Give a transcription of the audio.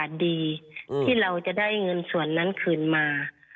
ดีที่เราจะได้เงินส่วนนั้นคืนมา